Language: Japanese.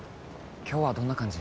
今日はどんな感じ？